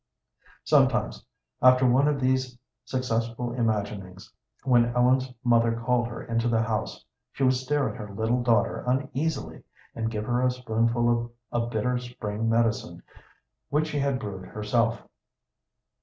Sometimes, after one of these successful imaginings, when Ellen's mother called her into the house she would stare at her little daughter uneasily, and give her a spoonful of a bitter spring medicine which she had brewed herself.